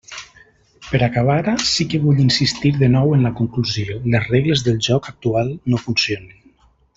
Per acabar, sí que vull insistir de nou en la conclusió: les regles del joc actual no funcionen.